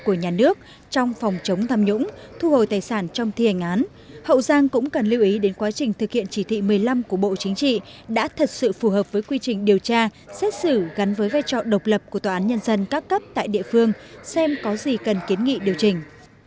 của nhà nước trong phòng chống tham nhũng thu hồi tài sản trong thi hành án hậu giang cũng cần lưu ý đến quá trình thực hiện chỉ thị một mươi năm của bộ chính trị đã thật sự phù hợp với quy trình điều tra xét xử gắn với vai trò độc lập của tòa án nhân dân các cấp tại địa phương xem có gì cần kiến nghị điều chỉnh